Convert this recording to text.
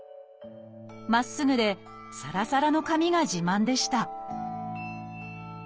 まっすぐでさらさらの髪が自慢でした。